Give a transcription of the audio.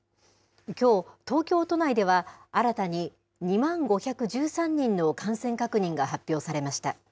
きょう、東京都内では、新たに２万５１３人の感染確認が発表されました。